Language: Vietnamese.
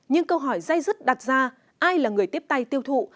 nhưng câu hỏi dây dứt đặt ra ai là người tiếp tay tiêu thụ